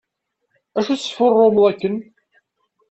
Acu tesfurrumeḍ akken?